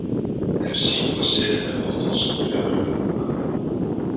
Le site possède un important sanctuaire gallo-romain.